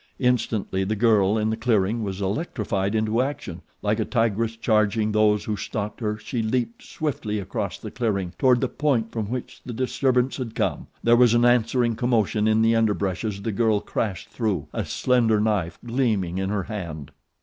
Instantly the girl in the clearing was electrified into action. Like a tigress charging those who stalked her she leaped swiftly across the clearing toward the point from which the disturbance had come. There was an answering commotion in the underbrush as the girl crashed through, a slender knife gleaming in her hand.